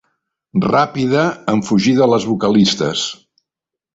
Ràpida en fugir de les vocalistes.